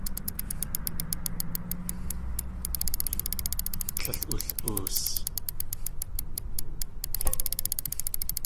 Tlél ul.oos.